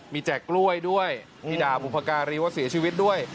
มีแจกกล้วยด้วยมีด่าบุพการีว่าเสียชีวิตด้วย